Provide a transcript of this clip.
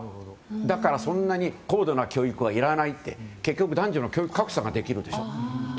だから、そんなに高度な教育はいらないって。結局、男女の教育格差ができるでしょ。